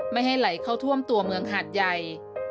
ไม่ให้ไหลเข้าท่วมตัวเมืองหาดใหญ่